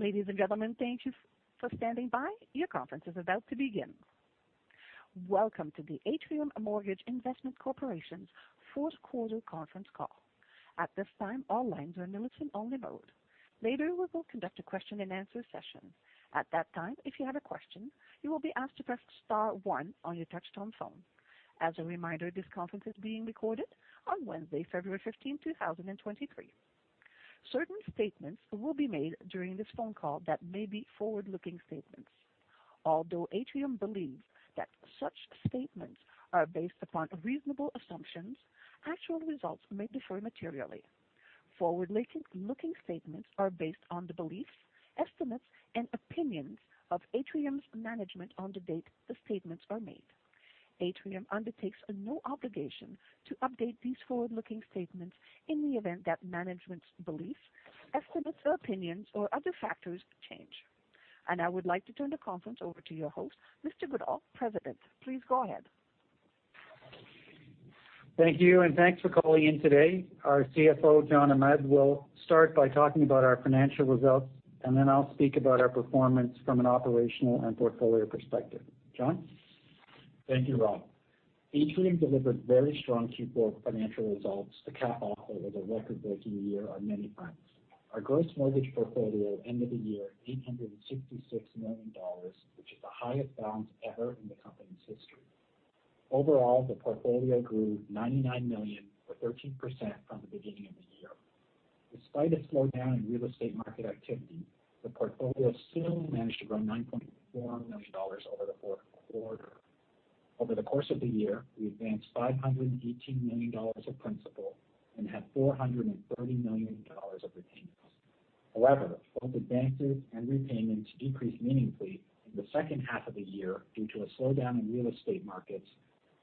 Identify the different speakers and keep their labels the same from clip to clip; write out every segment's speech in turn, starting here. Speaker 1: Ladies and gentlemen, thank you for standing by your conference is about to begin. Welcome to the Atrium Mortgage Investment Corporation's fourth quarter conference call. At this time, all lines are in listen-only mode. Later, we will conduct a question-and-answer session. At that time, if you have a question, you will be asked to press star one on your touch-tone phone. As a reminder, this conference is being recorded on Wednesday, February 15th, 2023. Certain statements will be made during this phone call that may be forward-looking statements. Although Atrium believes that such statements are based upon reasonable assumptions, actual results may differ materially. Forward-looking statements are based on the beliefs, estimates, and opinions of Atrium's management on the date the statements are made. Atrium undertakes no obligation to update these forward-looking statements in the event that management's beliefs, estimates, or opinions, or other factors change. I would like to turn the conference over to your host, Mr. Robert Goodall, President. Please go ahead.
Speaker 2: Thank you. Thanks for calling in today. Our CFO, John Ahmad, will start by talking about our financial results, and then I'll speak about our performance from an operational and portfolio perspective. John?
Speaker 3: Thank you, Robert. Atrium delivered very strong Q4 financial results to cap off what was a record-breaking year on many fronts. Our gross mortgage portfolio ended the year at 866 million dollars, which is the highest balance ever in the company's history. Overall, the portfolio grew 99 million or 13% from the beginning of the year. Despite a slowdown in real estate market activity, the portfolio still managed to grow 9.4 million dollars over the fourth quarter. Over the course of the year, we advanced 518 million dollars of principal and had 430 million dollars of retainers. Both advances and repayments decreased meaningfully in the second half of the year due to a slowdown in real estate markets,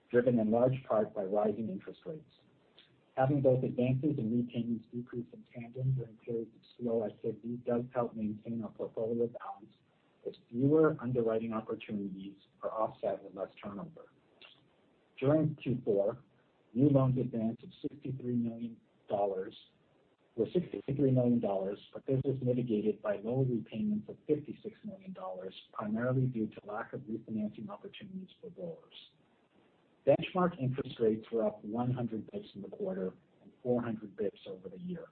Speaker 3: driven in large part by rising interest rates. Having both advances and retainers decrease in tandem during periods of slow activity does help maintain our portfolio balance, as fewer underwriting opportunities are offset with less turnover. During Q4, new loans advanced of 63 million dollars, but this was mitigated by lower repayments of 56 million dollars, primarily due to lack of refinancing opportunities for borrowers. Benchmark interest rates were up 100 bps in the quarter and 400 bps over the year.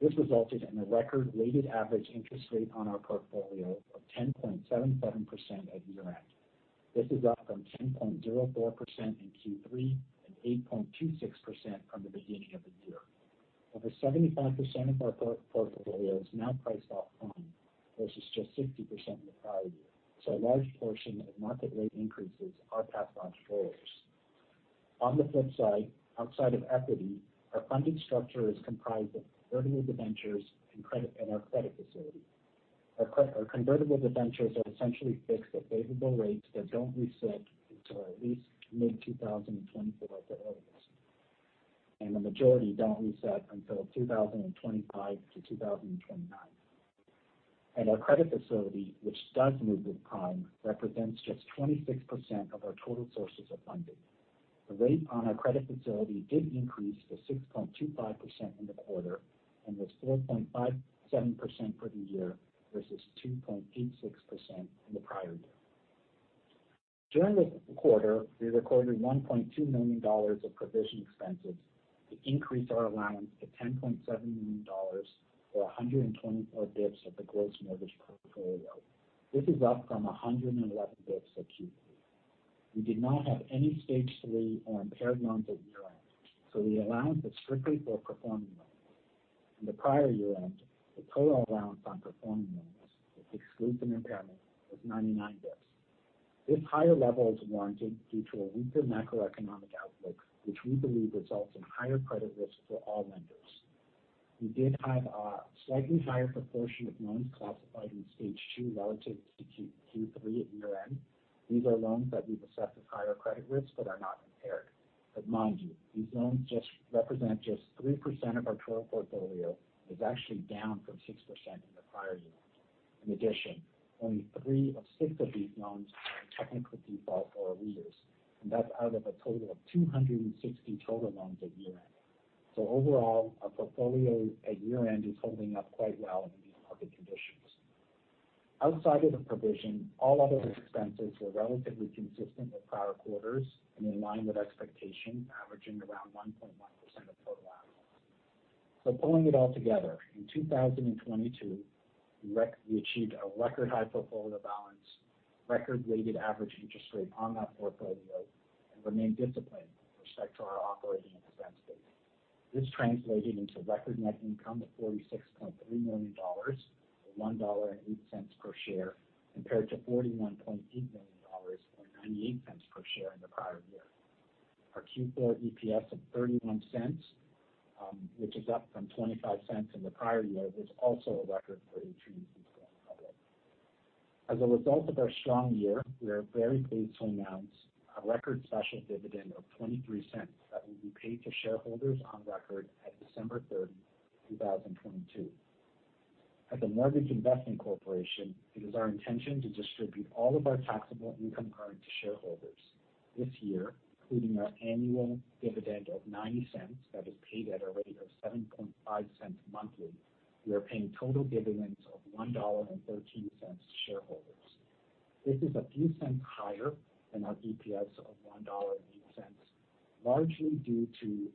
Speaker 3: This resulted in a record weighted average interest rate on our portfolio of 10.77% at year-end. This is up from 10.04% in Q3 and 8.26% from the beginning of the year. Over 75% of our portfolio is now priced off prime versus just 60% in the prior year. A large portion of market rate increases are passed on to borrowers. On the flip side, outside of equity, our funding structure is comprised of convertible debentures and credit, and our credit facility. Our convertible debentures are essentially fixed at favorable rates that don't reset until at least mid-2024 at the earliest, and the majority don't reset until 2025-2029. Our credit facility, which does move with prime, represents just 26% of our total sources of funding. The rate on our credit facility did increase to 6.25% in the quarter and was 4.57% for the year versus 2.86% in the prior year. During the quarter, we recorded 1.2 million dollars of provision expenses to increase our allowance to 10.7 million dollars or 124 basis points of the gross mortgage portfolio. This is up from 111 basis points at Q3. We did not have any Stage 3 or impaired loans at year-end, so the allowance is strictly for performing loans. In the prior year-end, the total allowance on performing loans, exclusive of impairment, was 99 basis points. This higher level is warranted due to a weaker macroeconomic outlook, which we believe results in higher credit risk for all lenders. We did have a slightly higher proportion of loans classified in Stage 2 relative to Q3 at year-end. These are loans that we've assessed as higher credit risk but are not impaired. Mind you, these loans just represent just 3% of our total portfolio and is actually down from 6% in the prior year-end. In addition, only three of six of these loans are in technical default or arrears, and that's out of a total of 260 total loans at year-end. Overall, our portfolio at year-end is holding up quite well in these market conditions. Outside of the provision, all other expenses were relatively consistent with prior quarters and in line with expectation, averaging around 1.1% of total assets. Pulling it all together, in 2022, we achieved a record high portfolio balance, record weighted average interest rate on that portfolio, and remained disciplined with respect to our operating expenses. This translated into record net income of 46.3 million dollars, or 1.08 per share, compared to 41.8 million dollars or 0.98 per share in the prior year. Our Q4 EPS of 0.31, which is up from 0.25 in the prior year, was also a record for Atrium since going public. As a result of our strong year, we are very pleased to announce a record special dividend of 0.23 that will be paid to shareholders on record at December 3, 2022. As a Mortgage Investment Corporation, it is our intention to distribute all of our taxable income earned to shareholders. This year, including our annual dividend of 0.90 that is paid at a rate of 0.075 monthly, we are paying total dividends of 1.13 dollar to shareholders. This is a few cents higher than our DPS of 1.08 dollar, largely due to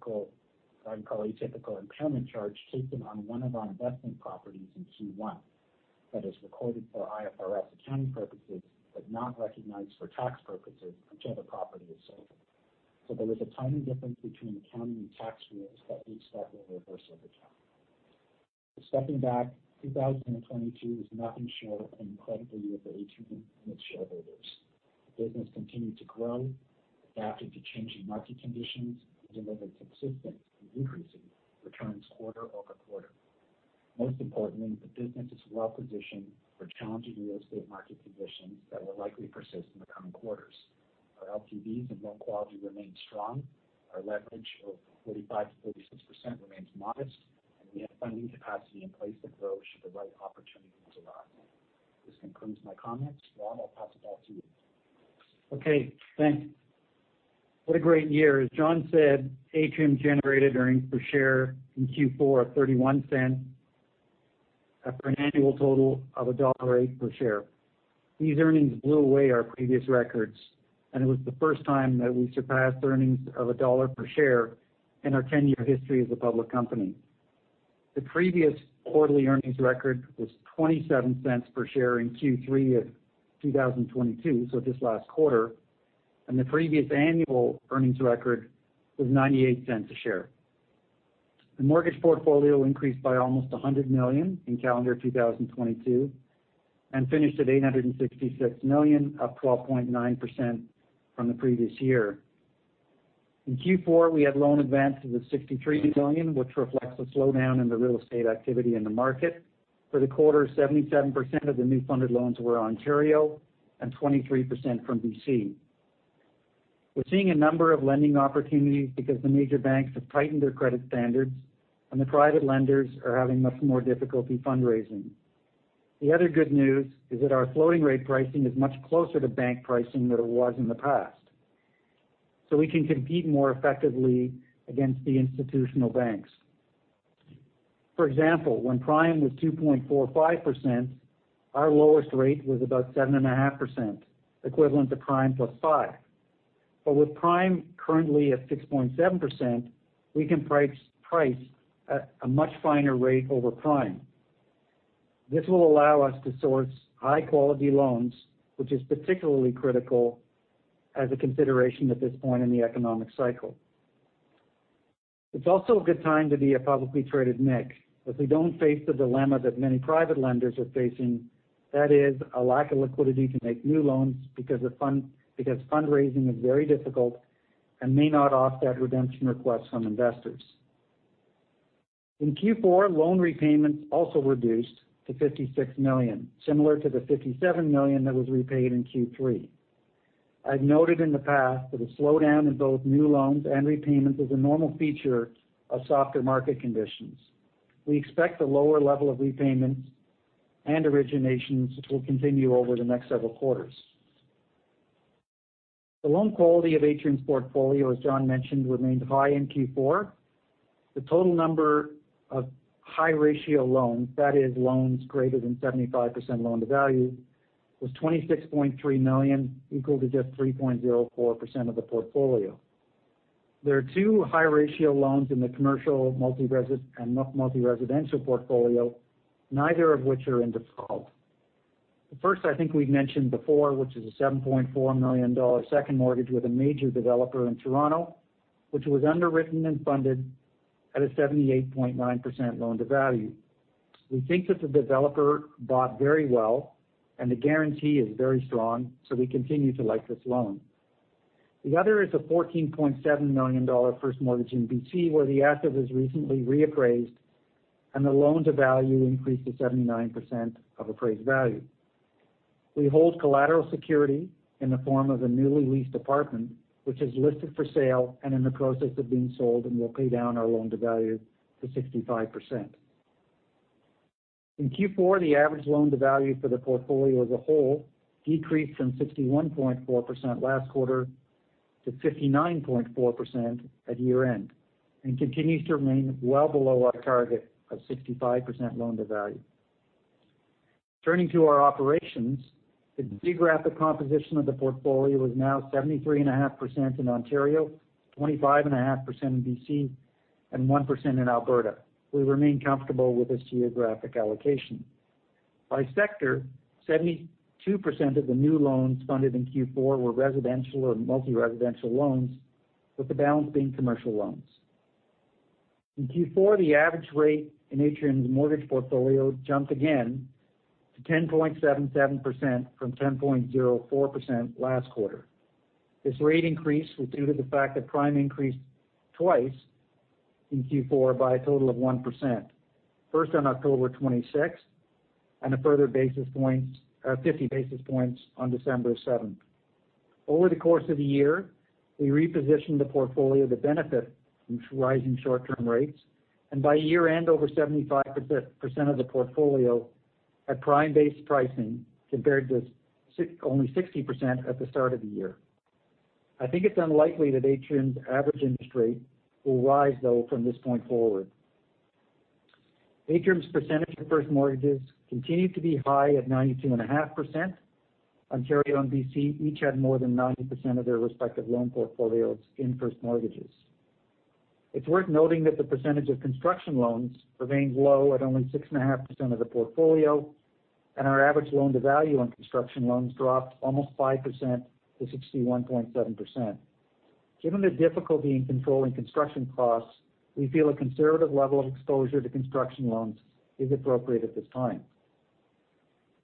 Speaker 3: what I'd call atypical impairment charge taken on one of our investment properties in Q1 that is recorded for IFRS accounting purposes, but not recognized for tax purposes until the property is sold. There is a tiny difference between accounting and tax rules that we expect will reverse over time. Stepping back, 2022 was nothing short of an incredible year for Atrium and its shareholders. Business continued to grow, adapted to changing market conditions, and delivered consistent and increasing returns quarter-over-quarter. Most importantly, the business is well-positioned for challenging real estate market conditions that will likely persist in the coming quarters. Our LTVs and loan quality remain strong. Our leverage of 45%-36% remains modest, we have lending capacity in place to grow should the right opportunities arise. This concludes my comments. Robert, I'll pass it back to you.
Speaker 2: Okay, thanks. What a great year. As John said, Atrium generated earnings per share in Q4 of 0.31, for an annual total of 1.08 dollar per share. These earnings blew away our previous records. It was the first time that we surpassed earnings of CAD 1 per share in our 10-year history as a public company. The previous quarterly earnings record was 0.27 per share in Q3 of 2022, this last quarter. The previous annual earnings record was 0.98 a share. The mortgage portfolio increased by almost 100 million in calendar 2022 and finished at 866 million, up 12.9% from the previous year. In Q4, we had loan advance of 63 million, which reflects a slowdown in the real estate activity in the market. For the quarter, 77% of the new funded loans were Ontario and 23% from BC. We're seeing a number of lending opportunities because the major banks have tightened their credit standards, and the private lenders are having much more difficulty fundraising. The other good news is that our floating rate pricing is much closer to bank pricing than it was in the past, so we can compete more effectively against the institutional banks. For example, when prime was 2.45%, our lowest rate was about 7.5%, equivalent to prime plus 5. With prime currently at 6.7%, we can price at a much finer rate over prime. This will allow us to source high-quality loans, which is particularly critical as a consideration at this point in the economic cycle. It's also a good time to be a publicly traded MIC, as we don't face the dilemma that many private lenders are facing. That is a lack of liquidity to make new loans because fundraising is very difficult and may not offset redemption requests from investors. In Q4, loan repayments also reduced to 56 million, similar to the 57 million that was repaid in Q3. I've noted in the past that a slowdown in both new loans and repayments is a normal feature of softer market conditions. We expect the lower level of repayments and originations will continue over the next several quarters. The loan quality of Atrium's portfolio, as John mentioned, remained high in Q4. The total number of high ratio loans, that is, loans greater than 75% loan-to-value, was 26.3 million, equal to just 3.04% of the portfolio. There are two high ratio loans in the commercial multi-residential portfolio, neither of which are in default. The first I think we've mentioned before, which is a $7.4 million second mortgage with a major developer in Toronto, which was underwritten and funded at a 78.9% loan to value. We think that the developer bought very well and the guarantee is very strong, so we continue to like this loan. The other is a $14.7 million first mortgage in BC, where the asset was recently reappraised and the loan to value increased to 79% of appraised value. We hold collateral security in the form of a newly leased apartment, which is listed for sale and in the process of being sold, and will pay down our loan to value to 65%. In Q4, the average loan to value for the portfolio as a whole decreased from 61.4% last quarter to 59.4% at year-end and continues to remain well below our target of 65% loan to value. Turning to our operations, the geographic composition of the portfolio is now 73.5% in Ontario, 25.5% in BC, and 1% in Alberta. We remain comfortable with this geographic allocation. By sector, 72% of the new loans funded in Q4 were residential or multi-residential loans, with the balance being commercial loans. In Q4, the average rate in Atrium's mortgage portfolio jumped again to 10.77% from 10.04% last quarter. This rate increase was due to the fact that prime increased twice in Q4 by a total of 1%, first on October 26th, and a further 50 basis points on December 7. Over the course of the year, we repositioned the portfolio to benefit from rising short-term rates, and by year-end, over 75% of the portfolio at prime-based pricing compared to only 60% at the start of the year. I think it's unlikely that Atrium's average industry will rise though from this point forward. Atrium's percentage of first mortgages continued to be high at 92.5%. Ontario and BC each had more than 90% of their respective loan portfolios in first mortgages. It's worth noting that the percentage of construction loans remains low at only 6.5% of the portfolio, and our average loan-to-value on construction loans dropped almost 5% - 61.7%. Given the difficulty in controlling construction costs, we feel a conservative level of exposure to construction loans is appropriate at this time.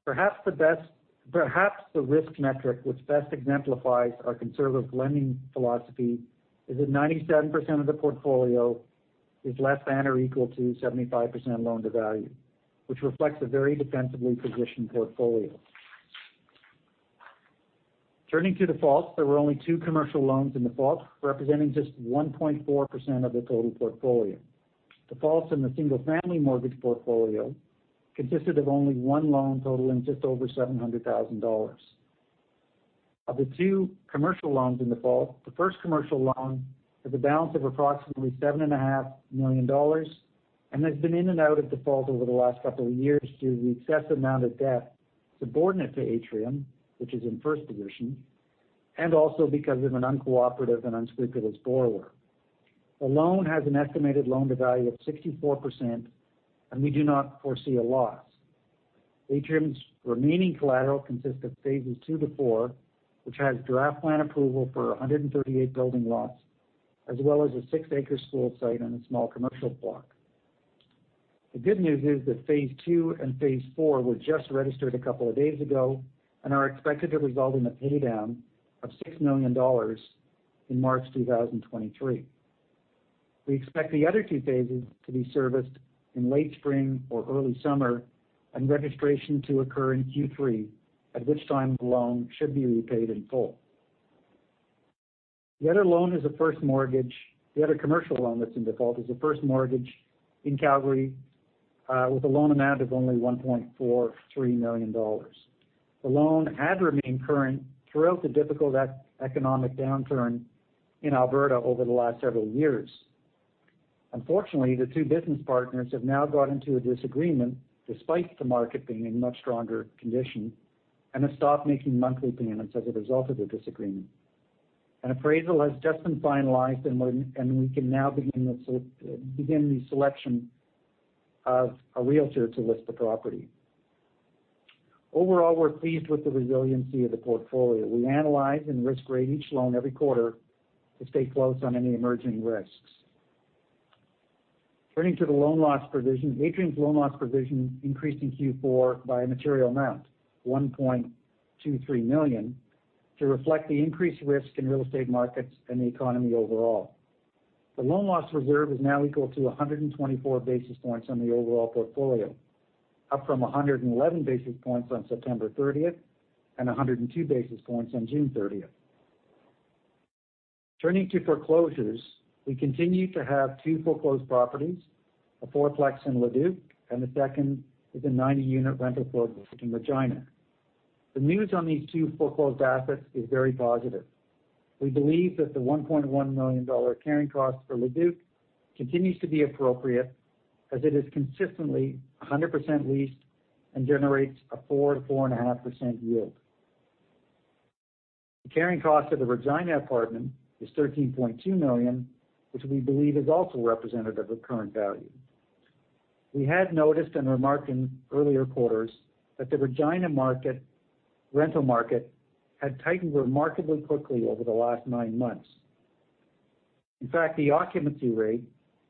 Speaker 2: Perhaps the risk metric which best exemplifies our conservative lending philosophy is that 97% of the portfolio is less than or equal to 75% loan-to-value, which reflects a very defensively positioned portfolio. Turning to defaults, there were only two commercial loans in default, representing just 1.4% of the total portfolio. Defaults in the single-family mortgage portfolio consisted of only one loan totaling just over 700,000 dollars. Of the two commercial loans in default, the first commercial loan has a balance of approximately 7.5 million dollars and has been in and out of default over the last couple of years due to the excessive amount of debt subordinate to Atrium, which is in first position, and also because of an uncooperative and unscrupulous borrower. The loan has an estimated loan-to-value of 64%, and we do not foresee a loss. Atrium's remaining collateral consists of phases two to four, which has draft plan approval for 138 building lots, as well as a six-acre school site and a small commercial block. The good news is that phase 2 and phase 4 were just registered a couple of days ago and are expected to result in a pay down of 6 million dollars in March 2023. We expect the other two phases to be serviced in late spring or early summer and registration to occur in Q3, at which time the loan should be repaid in full. The other loan is a first mortgage. The other commercial loan that's in default is a first mortgage in Calgary, with a loan amount of only 1.43 million dollars. The loan had remained current throughout the difficult economic downturn in Alberta over the last several years. Unfortunately, the two business partners have now got into a disagreement, despite the market being in much stronger condition, and have stopped making monthly payments as a result of the disagreement. An appraisal has just been finalized and we can now begin the selection of a realtor to list the property. Overall, we're pleased with the resiliency of the portfolio. We analyze and risk rate each loan every quarter to stay close on any emerging risks. Turning to the loan loss provision, Atrium's loan loss provision increased in Q4 by a material amount, 1.23 million, to reflect the increased risk in real estate markets and the economy overall. The loan loss reserve is now equal to 124 basis points on the overall portfolio, up from 111 basis points on September 30th and 102 basis points on June 30th. Turning to foreclosures, we continue to have two foreclosed properties, a four-plex in Leduc, and the second is a 90-unit rental property in Regina. The news on these two foreclosed assets is very positive. We believe that the 1.1 million dollar carrying cost for Leduc continues to be appropriate as it is consistently 100% leased and generates a 4%-4.5% yield. The carrying cost of the Regina apartment is 13.2 million, which we believe is also representative of current value. We had noticed and remarked in earlier quarters that the Regina market, rental market had tightened remarkably quickly over the last nine months. In fact, the occupancy rate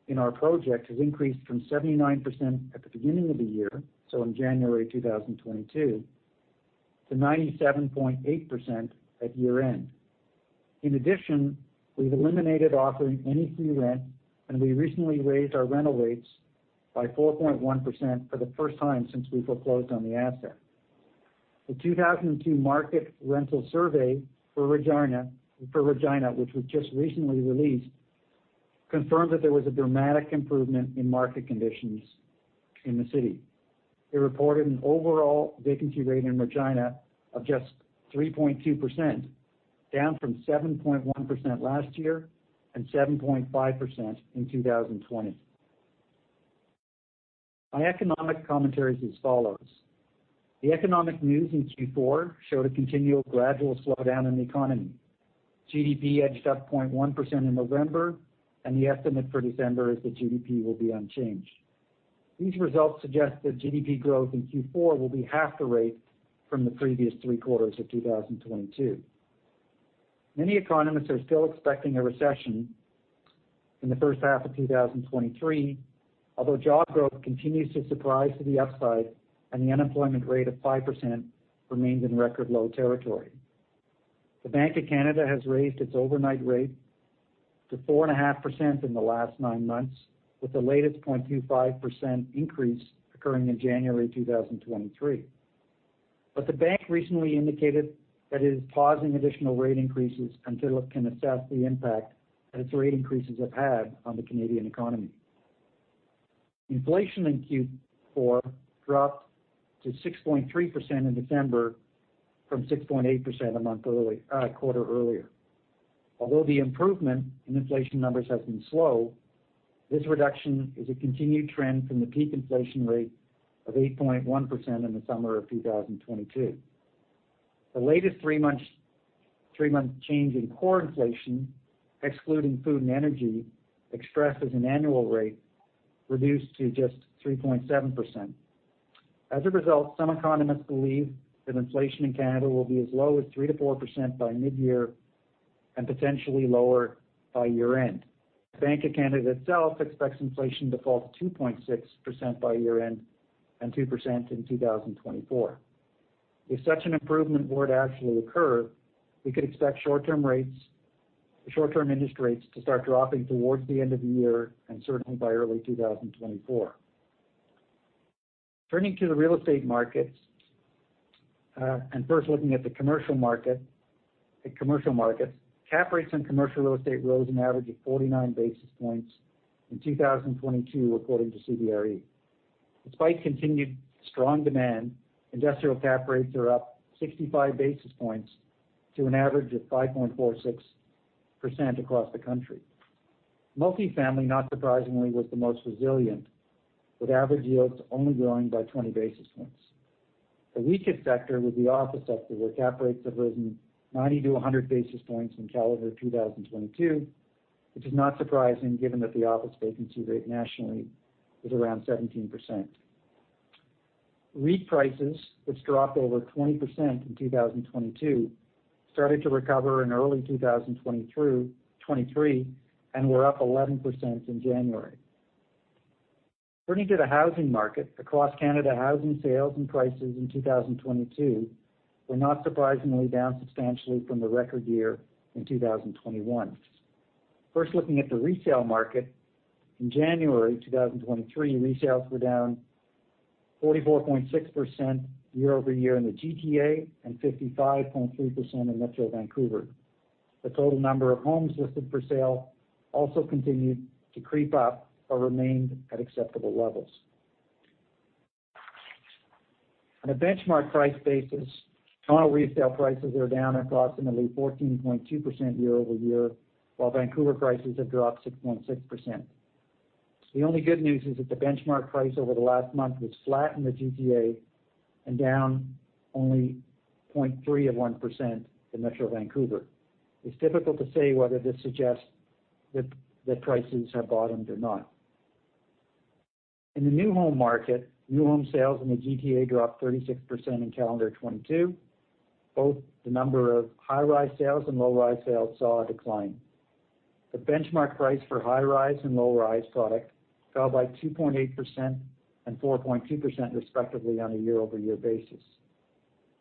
Speaker 2: in our project has increased from 79% at the beginning of the year, so in January 2022, to 97.8% at year-end. In addition, we've eliminated offering any free rent, and we recently raised our rental rates by 4.1% for the first time since we foreclosed on the asset. The 2002 market rental survey for Regina, which was just recently released, confirmed that there was a dramatic improvement in market conditions in the city. It reported an overall vacancy rate in Regina of just 3.2%, down from 7.1% last year and 7.5% in 2020. My economic commentary is as follows: The economic news in Q4 showed a continual gradual slowdown in the economy. GDP edged up 0.1% in November, and the estimate for December is that GDP will be unchanged. These results suggest that GDP growth in Q4 will be half the rate from the previous three quarters of 2022. Many economists are still expecting a recession in the first half of 2023, although job growth continues to surprise to the upside and the unemployment rate of 5% remains in record low territory. The Bank of Canada has raised its overnight rate to 4.5% in the last nine months, with the latest 0.25% increase occurring in January 2023. The bank recently indicated that it is pausing additional rate increases until it can assess the impact that its rate increases have had on the Canadian economy. Inflation in Q4 dropped to 6.3% in December from 6.8% a month early, quarter earlier. Although the improvement in inflation numbers has been slow, this reduction is a continued trend from the peak inflation rate of 8.1% in the summer of 2022. The latest three months, three-month change in core inflation, excluding food and energy, expressed as an annual rate, reduced to just 3.7%. Some economists believe that inflation in Canada will be as low as 3%-4% by mid-year and potentially lower by year-end. Bank of Canada itself expects inflation to fall to 2.6% by year-end and 2% in 2024. If such an improvement were to actually occur, we could expect short-term interest rates to start dropping towards the end of the year and certainly by early 2024. Turning to the real estate markets, and first looking at the commercial market, cap rates on commercial real estate rose an average of 49 basis points in 2022, according to CBRE. Despite continued strong demand, industrial cap rates are up 65 basis points to an average of 5.46% across the country. Multifamily, not surprisingly, was the most resilient, with average yields only growing by 20 basis points. The weakest sector was the office sector, where cap rates have risen 90 - 100 basis points in calendar 2022, which is not surprising given that the office vacancy rate nationally is around 17%. REIT prices, which dropped over 20% in 2022, started to recover in early 2023 and were up 11% in January. Turning to the housing market, across Canada, housing sales and prices in 2022 were not surprisingly down substantially from the record year in 2021. Looking at the retail market, in January 2023, resales were down 44.6% year-over-year in the GTA and 55.3% in Metro Vancouver. The total number of homes listed for sale also continued to creep up but remained at acceptable levels. On a benchmark price basis, Toronto retail prices are down approximately 14.2% year-over-year, while Vancouver prices have dropped 6.6%. The only good news is that the benchmark price over the last month was flat in the GTA and down only 0.3% in Metro Vancouver. It's difficult to say whether this suggests that prices have bottomed or not. In the new home market, new home sales in the GTA dropped 36% in calendar 2022. Both the number of high-rise sales and low-rise sales saw a decline. The benchmark price for high-rise and low-rise product fell by 2.8% and 4.2% respectively on a year-over-year basis.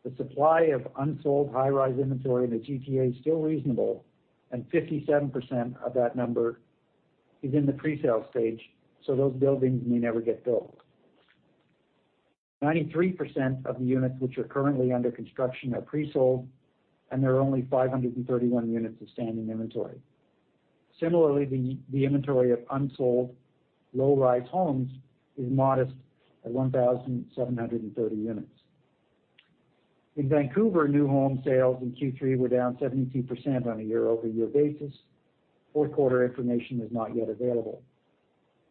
Speaker 2: The supply of unsold high-rise inventory in the GTA is still reasonable, and 57% of that number is in the presale stage, so those buildings may never get built. 93% of the units which are currently under construction are presold. There are only 531 units of standing inventory. Similarly, the inventory of unsold low-rise homes is modest at 1,730 units. In Vancouver, new home sales in Q3 were down 72% on a year-over-year basis. Fourth quarter information is not yet available.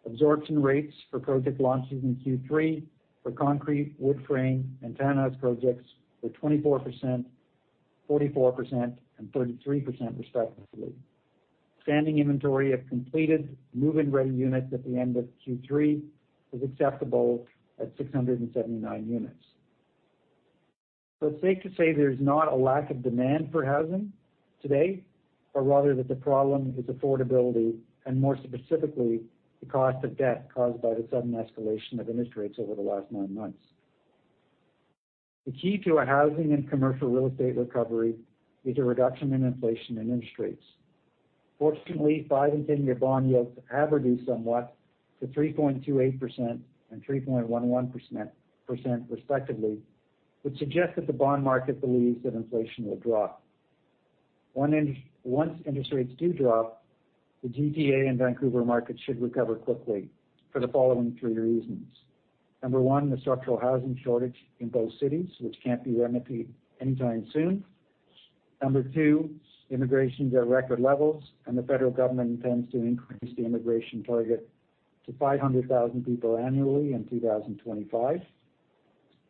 Speaker 2: Absorption rates for project launches in Q3 for concrete, wood frame, and townhouse projects were 24%, 44%, and 33% respectively. Standing inventory of completed move-in-ready units at the end of Q3 was acceptable at 679 units. It's safe to say there's not a lack of demand for housing today, but rather that the problem is affordability and more specifically, the cost of debt caused by the sudden escalation of interest rates over the last nine months. The key to a housing and commercial real estate recovery is a reduction in inflation and interest rates. Fortunately, five and 10-year bond yields have reduced somewhat to 3.28% and 3.11% respectively, which suggests that the bond market believes that inflation will drop. Once interest rates do drop, the GTA and Vancouver market should recover quickly for the following three reasons. Number one, the structural housing shortage in both cities, which can't be remedied anytime soon. Number two, immigration is at record levels, and the federal government intends to increase the immigration target to 500,000 people annually in 2025.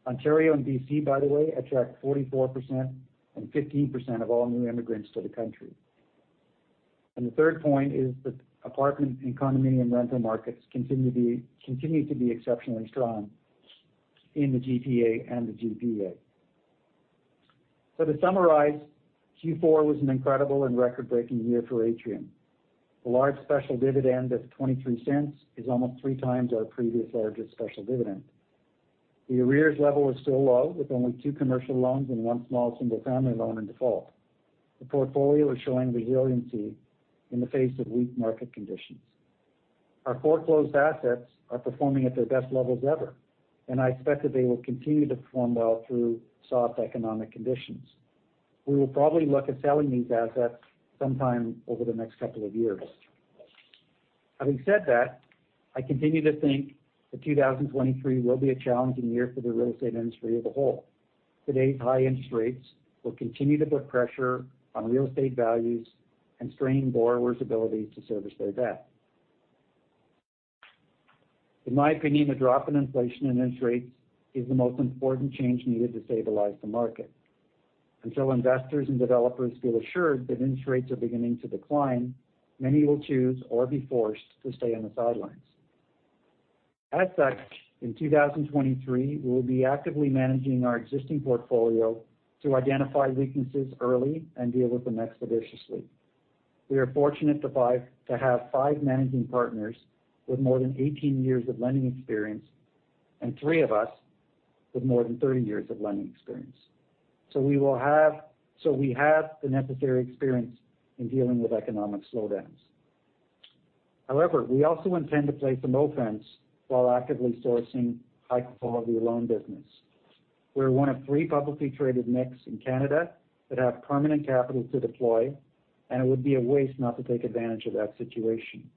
Speaker 2: Ontario and BC, by the way, attract 44% and 15% of all new immigrants to the country. The third point is that apartment and condominium rental markets continue to be exceptionally strong in the GTA and the GGH. To summarize, Q4 was an incredible and record-breaking year for Atrium. The large special dividend of $0.23 is almost three times our previous largest special dividend. The arrears level is still low, with only two commercial loans and one small single-family loan in default. The portfolio is showing resiliency in the face of weak market conditions. Our foreclosed assets are performing at their best levels ever, and I expect that they will continue to perform well through soft economic conditions. We will probably look at selling these assets sometime over the next couple of years. Having said that, I continue to think that 2023 will be a challenging year for the real estate industry as a whole. Today's high interest rates will continue to put pressure on real estate values and strain borrowers' ability to service their debt. In my opinion, the drop in inflation and interest rates is the most important change needed to stabilize the market. Until investors and developers feel assured that interest rates are beginning to decline, many will choose or be forced to stay on the sidelines. As such, in 2023, we will be actively managing our existing portfolio to identify weaknesses early and deal with them expeditiously. We are fortunate to have five managing partners with more than 18 years of lending experience, and three of us with more than 30 years of lending experience. We have the necessary experience in dealing with economic slowdowns. However, we also intend to play some offense while actively sourcing high-quality loan business. We're one of three publicly traded MICs in Canada that have permanent capital to deploy, and it would be a waste not to take advantage of that situation.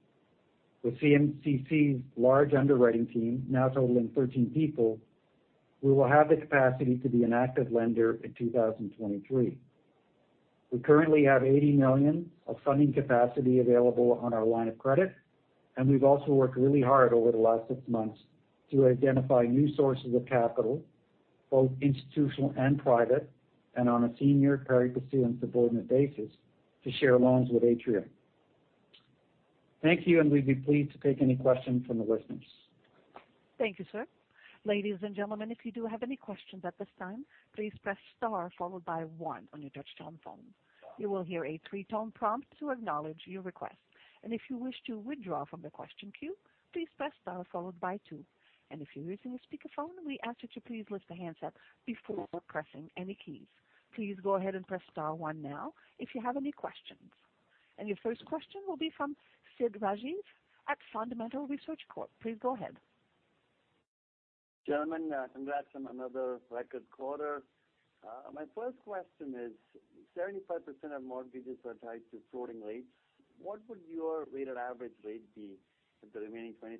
Speaker 2: With CMCC's large underwriting team, now totaling 13 people, we will have the capacity to be an active lender in 2023. We currently have 80 million of funding capacity available on our line of credit. We've also worked really hard over the last six months to identify new sources of capital, both institutional and private, and on a senior, pari passu, and subordinate basis to share loans with Atrium. Thank you. We'd be pleased to take any questions from the listeners.
Speaker 1: Thank you, sir. Ladies and gentlemen, if you do have any questions at this time, please press star followed by one on your touchtone phone. You will hear a three-tone prompt to acknowledge your request. If you wish to withdraw from the question queue, please press star followed by two. If you're using a speakerphone, we ask that you please lift the handset before pressing any keys. Please go ahead and press star one now if you have any questions. Your first question will be from Siddharth Rajeev at Fundamental Research Corporation. Please go ahead.
Speaker 4: Gentlemen, congrats on another record quarter. My first question is, 75% of mortgages are tied to floating rates. What would your weighted average rate be if the remaining 25%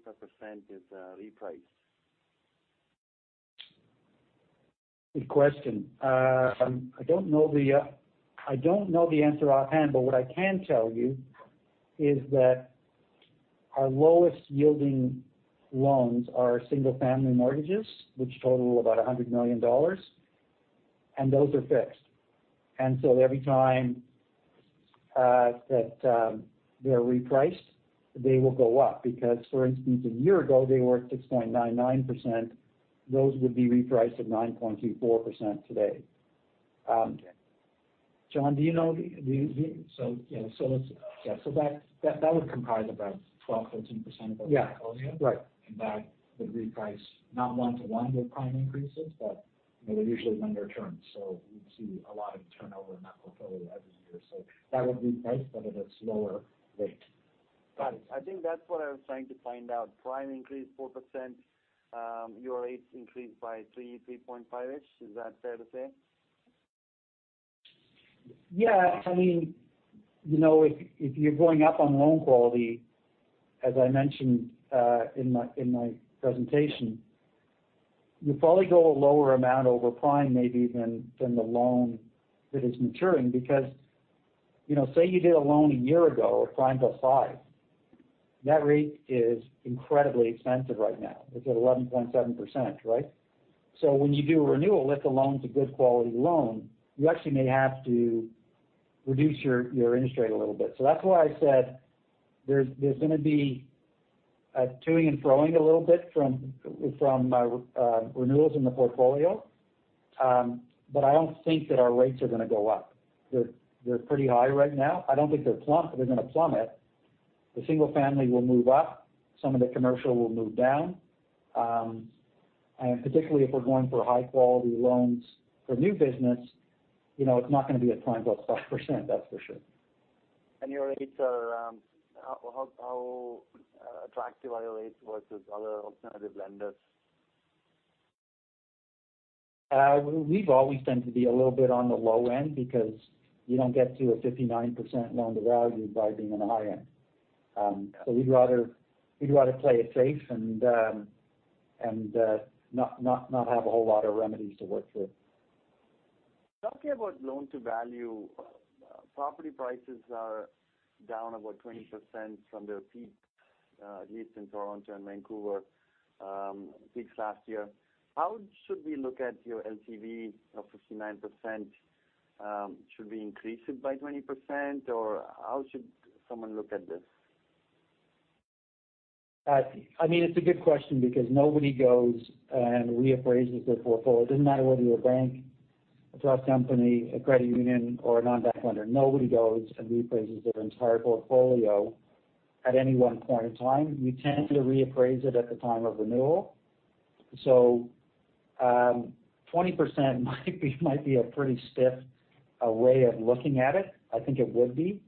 Speaker 4: is repriced?
Speaker 2: Good question. I don't know the answer offhand, but what I can tell you is that our lowest-yielding loans are single-family mortgages, which total about 100 million dollars, and those are fixed. So every time that they're repriced, they will go up. For instance, a year ago, they were at 6.99%. Those would be repriced at 9.24% today. John, do you know the...
Speaker 3: Yeah. That would comprise about 12%, 14% of our portfolio.
Speaker 2: Yeah. Right.
Speaker 3: That would reprice not one - one with prime increases, but, you know, they're usually lender terms. We'd see a lot of turnover in that portfolio every year. That would reprice but at a slower rate.
Speaker 4: Got it. I think that's what I was trying to find out. Prime increased 4%. Your rates increased by 3.5-ish. Is that fair to say?
Speaker 2: I mean, you know, if you're going up on loan quality, as I mentioned, in my presentation, you probably go a lower amount over prime maybe than the loan that is maturing because, you know, say you did a loan one year ago of prime plus 5, that rate is incredibly expensive right now. It's at 11.7%, right? When you do a renewal, if the loan's a good quality loan, you actually may have to reduce your interest rate a little bit. That's why I said there's gonna be a to-ing and fro-ing a little bit from renewals in the portfolio. I don't think that our rates are gonna go up. They're pretty high right now. I don't think they're gonna plummet. The single family will move up. Some of the commercial will move down. Particularly if we're going for high-quality loans for new business, you know, it's not gonna be at prime plus 5%, that's for sure.
Speaker 4: Your rates are, how attractive are your rates versus other alternative lenders?
Speaker 2: We've always tended to be a little bit on the low end because you don't get to a 59% loan-to-value by being on the high end. We'd rather play it safe and not have a whole lot of remedies to work through.
Speaker 4: Talking about loan-to-value, property prices are down about 20% from their peak, at least in Toronto and Vancouver, peaks last year. How should we look at your LTV of 59%? Should we increase it by 20%, or how should someone look at this?
Speaker 2: I mean, it's a good question because nobody goes and reappraises their portfolio. It doesn't matter whether you're a bank, a trust company, a credit union, or a non-bank lender. Nobody goes and reappraises their entire portfolio at any one point in time. We tend to reappraise it at the time of renewal. 20% might be, might be a pretty stiff way of looking at it. I think it would be.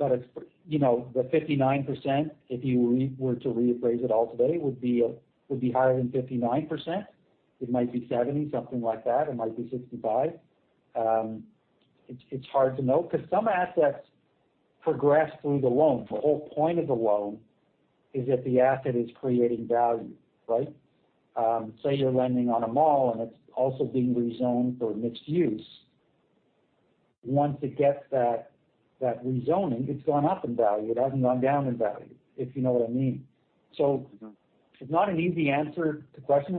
Speaker 2: It's, you know, the 59%, if you were to reappraise it all today, would be higher than 59%. It might be 70, something like that. It might be 65. It's, it's hard to know because some assets progress through the loan. The whole point of the loan is that the asset is creating value, right? Say you're lending on a mall, and it's also being rezoned for mixed use. Once it gets that rezoning, it's gone up in value. It hasn't gone down in value, if you know what I mean. It's not an easy answer to question,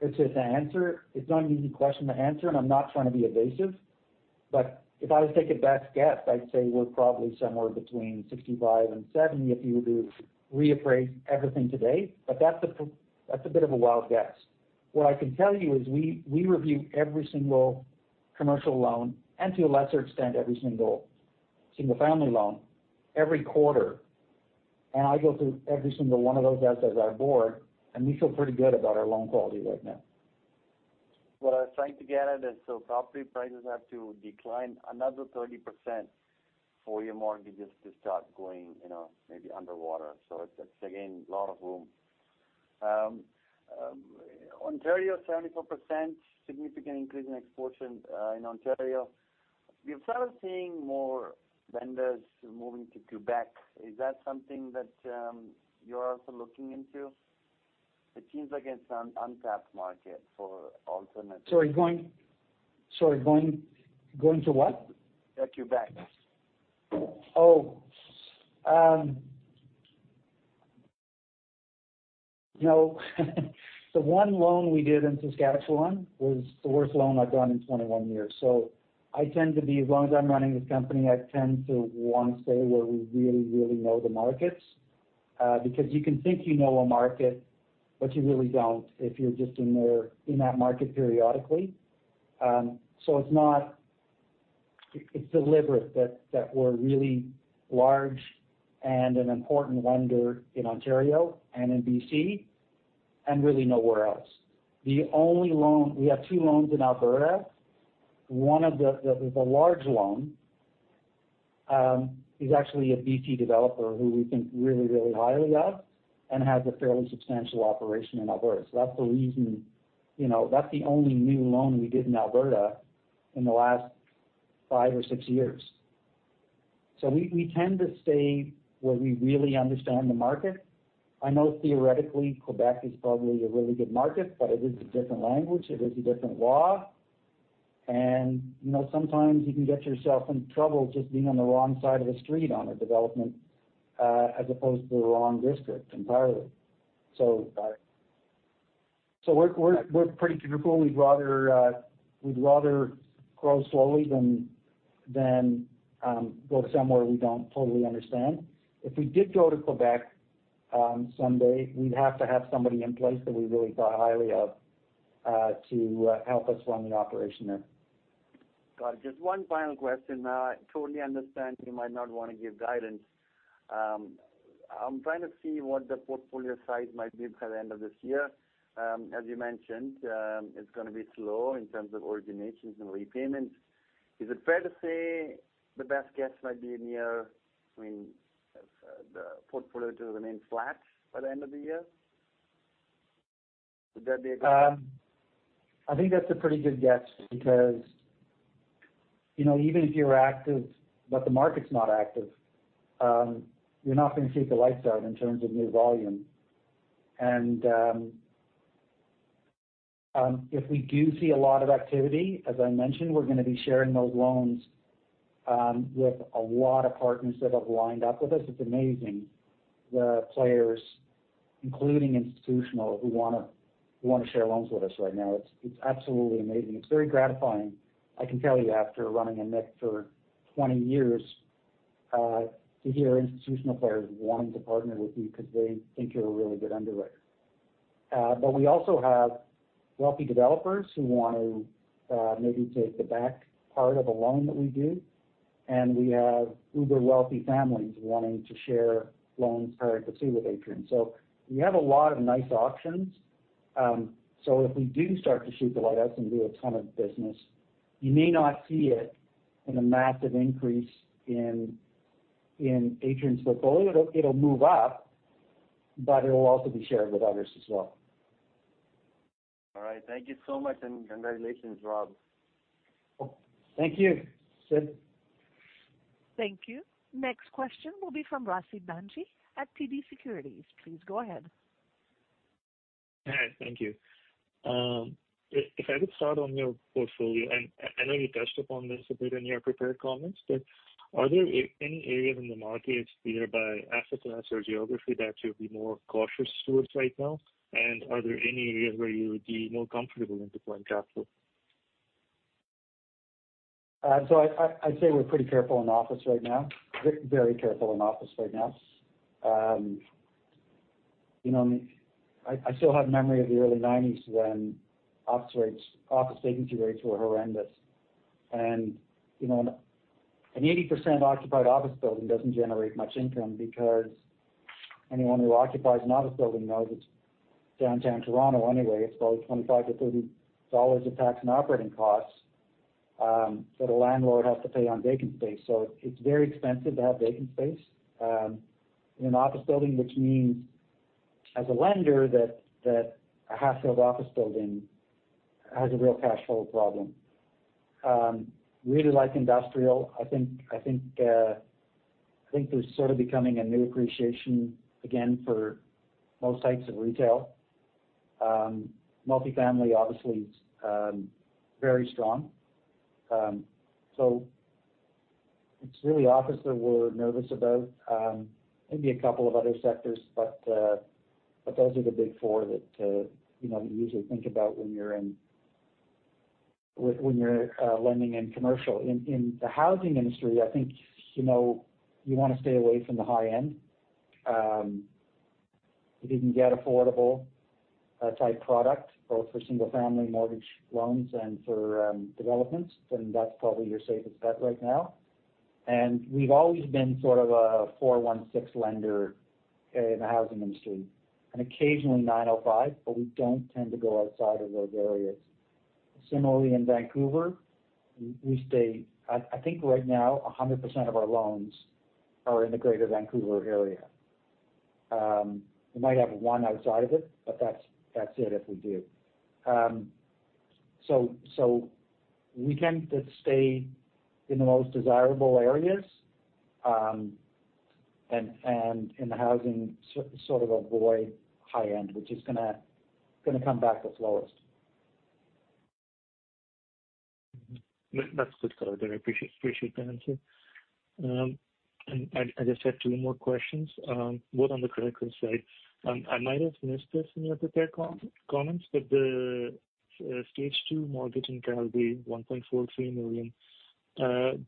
Speaker 2: It's an answer. It's not an easy question to answer, and I'm not trying to be evasive. If I was to take a best guess, I'd say we're probably somewhere between 65% and 70% if you were to reappraise everything today. That's a bit of a wild guess. What I can tell you is we review every single commercial loan and to a lesser extent, every single-family loan every quarter. I go through every single one of those assets as a board, and we feel pretty good about our loan quality right now.
Speaker 4: What I was trying to get at is, property prices have to decline another 30% for your mortgages to start going, you know, maybe underwater. That's, again, a lot of room. Ontario, 74%, significant increase in exposure in Ontario. We've started seeing more lenders moving to Quebec. Is that something that you're also looking into? It seems like it's an untapped market for alternate.
Speaker 2: Sorry, going to what?
Speaker 4: Quebec.
Speaker 2: No. The one loan we did in Saskatchewan was the worst loan I've done in 21 years. I tend to be, as long as I'm running this company, I tend to want to stay where we really, really know the markets, because you can think you know a market, but you really don't if you're just in there in that market periodically. It's deliberate that we're really large and an important lender in Ontario and in BC and really nowhere else. We have two loans in Alberta. One of the large loan is actually a BC developer who we think really, really highly of and has a fairly substantial operation in Alberta. That's the reason. You know, that's the only new loan we did in Alberta in the last five or six years. We tend to stay where we really understand the market. I know theoretically Quebec is probably a really good market, but it is a different language, it is a different law. You know, sometimes you can get yourself in trouble just being on the wrong side of the street on a development, as opposed to the wrong district entirely.
Speaker 4: Got it.
Speaker 2: We're pretty careful. We'd rather grow slowly than go somewhere we don't totally understand. If we did go to Quebec someday, we'd have to have somebody in place that we really thought highly of to help us run the operation there.
Speaker 4: Got it. Just one final question. I totally understand you might not want to give guidance. I'm trying to see what the portfolio size might be by the end of this year. As you mentioned, it's gonna be slow in terms of originations and repayments. Is it fair to say the best guess might be near, I mean, the portfolio to remain flat by the end of the year? Would that be a-
Speaker 2: I think that's a pretty good guess because, you know, even if you're active but the market's not active, you're not gonna see the lights out in terms of new volume. If we do see a lot of activity, as I mentioned, we're gonna be sharing those loans, with a lot of partners that have lined up with us. It's amazing the players, including institutional, who wanna share loans with us right now. It's absolutely amazing. It's very gratifying, I can tell you, after running a MIC for 20 years, to hear institutional players wanting to partner with you because they think you're a really good underwriter. We also have wealthy developers who want to maybe take the back part of a loan that we do, and we have uber wealthy families wanting to share loans currently with Atrium. We have a lot of nice options. If we do start to shoot the lights out and do a ton of business, you may not see it in a massive increase in Atrium's portfolio. It'll move up, but it'll also be shared with others as well.
Speaker 4: All right. Thank you so much, and congratulations, Robert.
Speaker 2: Thank you, Siddharth.
Speaker 1: Thank you. Next question will be from Rasit Manjra at TD Securities. Please go ahead.
Speaker 5: Hi. Thank you. If I could start on your portfolio, I know you touched upon this a bit in your prepared comments, but are there any areas in the market, it's either by asset class or geography, that you'll be more cautious towards right now? Are there any areas where you would be more comfortable in deploying capital?
Speaker 2: I'd say we're pretty careful in office right now. Very careful in office right now. You know, I still have memory of the early 1990s when office vacancy rates were horrendous. You know, an 80% occupied office building doesn't generate much income because anyone who occupies an office building knows it's Downtown Toronto anyway. It's probably 25-30 dollars of tax and operating costs that a landlord has to pay on vacant space. It's very expensive to have vacant space in an office building, which means as a lender that a half-filled office building has a real cash flow problem. Really like industrial, I think there's sort of becoming a new appreciation again for most types of retail. Multifamily obviously is very strong. It's really office that we're nervous about, maybe a couple of other sectors, those are the big four that, you know, you usually think about when you're lending in commercial. In the housing industry, I think, you know, you wanna stay away from the high end. If you can get affordable type product, both for single-family mortgage loans and for developments, that's probably your safest bet right now. We've always been sort of a 416 lender in the housing industry and occasionally 905, but we don't tend to go outside of those areas. Similarly, in Vancouver, I think right now, 100% of our loans are in the greater Vancouver area. We might have one outside of it, but that's it if we do. We tend to stay in the most desirable areas, and in the housing sort of avoid high end, which is gonna come back the slowest.
Speaker 5: That's good, color. I appreciate the answer. As I said, two more questions, both on the credit card side. I might have missed this in your prepared comments, but the Stage 2 mortgage in Calgary, 1.43 million,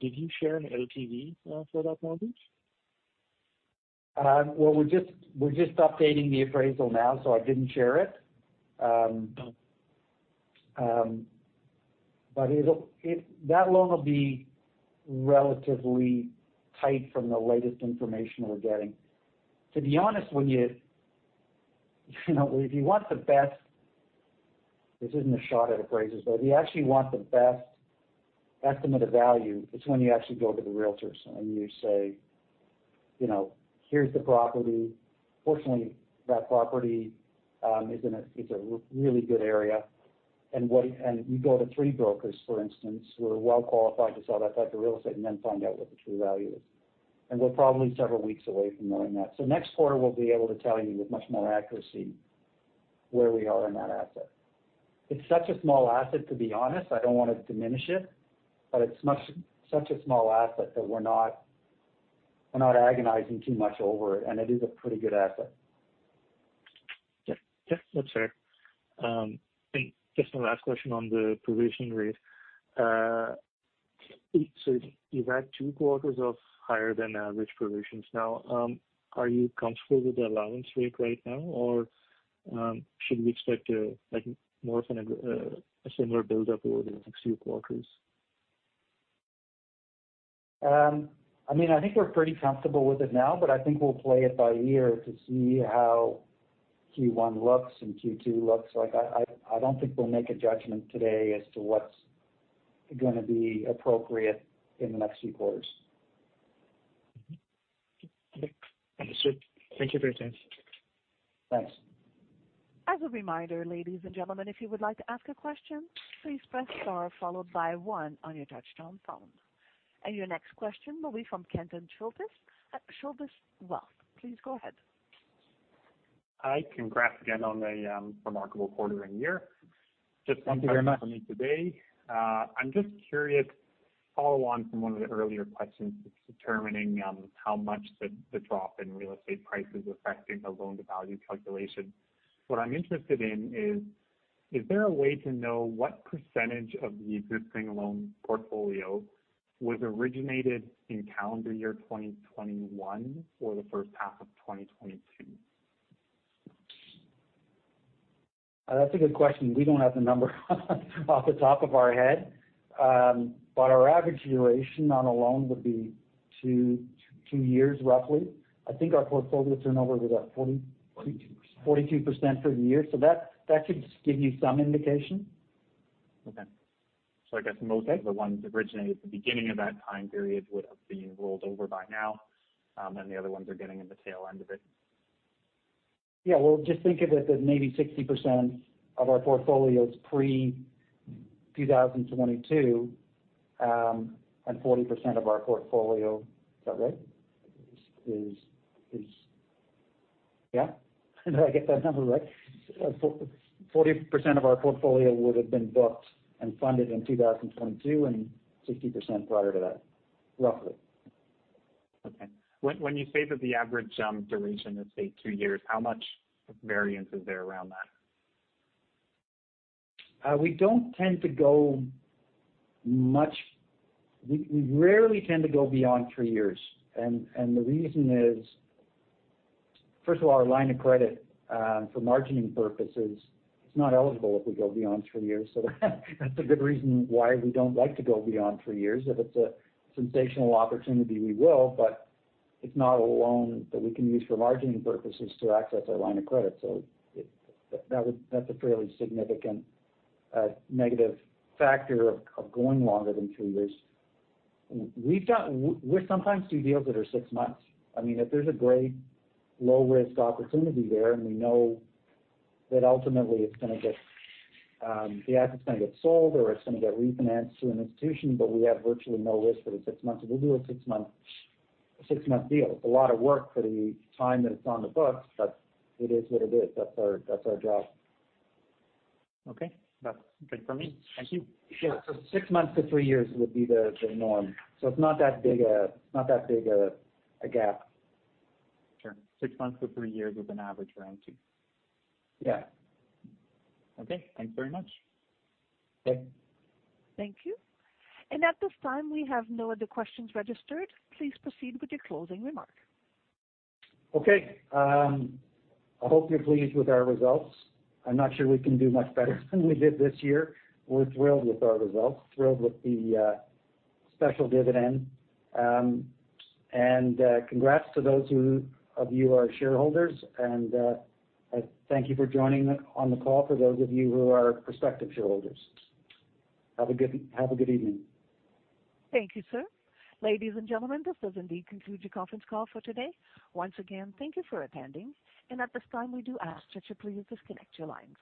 Speaker 5: did you share an LTV for that mortgage?
Speaker 2: Well we're just, we're just updating the appraisal now, so I didn't share it. That loan will be relatively tight from the latest information we're getting. To be honest, when you... You know, if you want the best, this isn't a shot at appraisers, but if you actually want the best estimate of value, it's when you actually go to the realtors and you say, you know, "Here's the property. Fortunately, that property is in a really good area." You go to three brokers, for instance, who are well qualified to sell that type of real estate and then find out what the true value is. Next quarter we'll be able to tell you with much more accuracy where we are in that asset. It's such a small asset, to be honest, I don't want to diminish it. It's such a small asset that we're not agonizing too much over it. It is a pretty good asset.
Speaker 5: Yeah. Yeah, that's fair. Just one last question on the provision rate. You've had two quarters of higher than average provisions now. Are you comfortable with the allowance rate right now, or should we expect like more of an a similar buildup over the next few quarters?
Speaker 2: I mean, I think we're pretty comfortable with it now, but I think we'll play it by ear to see how Q1 looks and Q2 looks like. I don't think we'll make a judgment today as to what's gonna be appropriate in the next few quarters.
Speaker 5: Understood. Thank you for your time.
Speaker 2: Thanks.
Speaker 1: As a reminder, ladies and gentlemen, if you would like to ask a question, please press star followed by one on your touchtone phone. Your next question will be from Kenton Chilvers at Chilvers Wealth. Please go ahead.
Speaker 6: Hi. Congrats again on a remarkable quarter and year.
Speaker 2: Thank you very much.
Speaker 6: Just one question from me today. I'm just curious, follow on from one of the earlier questions, it's determining, how much the drop in real estate price is affecting the loan-to-value calculation. What I'm interested in is there a way to know what % of the existing loan portfolio was originated in calendar year 2021 or the first half of 2022?
Speaker 2: That's a good question. We don't have the number off the top of our head. Our average duration on a loan would be two years roughly. I think our portfolio turnover was at 40-.
Speaker 5: 42%.
Speaker 2: 42% for the year. That should give you some indication.
Speaker 6: Okay. I guess most of the ones originated at the beginning of that time period would have been rolled over by now, and the other ones are getting in the tail end of it.
Speaker 2: Yeah. Well, just think of it that maybe 60% of our portfolio is pre-2022. 40% of our portfolio... Is that right? Yeah. Did I get that number right? 40% of our portfolio would've been booked and funded in 2022 and 60% prior to that, roughly.
Speaker 6: Okay. When you say that the average duration is say, two years, how much variance is there around that?
Speaker 2: We rarely tend to go beyond three years. The reason is, first of all, our line of credit for margining purposes, it's not eligible if we go beyond three years. That's a good reason why we don't like to go beyond three years. If it's a sensational opportunity, we will. It's not a loan that we can use for margining purposes to access our line of credit. That's a fairly significant negative factor of going longer than two years. We sometimes do deals that are six months. I mean, if there's a great low-risk opportunity there, we know that ultimately it's gonna get, the asset's gonna get sold or it's gonna get refinanced through an institution, we have virtually no risk for the six months, we'll do a six-month deal. It's a lot of work for the time that it's on the books, it is what it is. That's our job.
Speaker 6: Okay. That's good for me. Thank you.
Speaker 2: Yeah, six months to three years would be the norm. It's not that big a gap.
Speaker 6: Sure. Six months to three years is an average range.
Speaker 2: Yeah.
Speaker 6: Okay, thanks very much.
Speaker 2: Okay.
Speaker 1: Thank you. At this time, we have no other questions registered. Please proceed with your closing remark.
Speaker 2: Okay. I hope you're pleased with our results. I'm not sure we can do much better than we did this year. We're thrilled with our results, thrilled with the special dividend. Congrats to those who of you who are shareholders, and thank you for joining on the call for those of you who are prospective shareholders. Have a good evening.
Speaker 1: Thank you, sir. Ladies and gentlemen, this does indeed conclude your conference call for today. Once again, thank you for attending. At this time, we do ask that you please disconnect your lines.